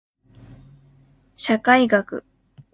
社会学